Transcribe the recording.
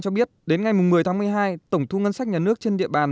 cho biết đến ngày một mươi tháng một mươi hai tổng thu ngân sách nhà nước trên địa bàn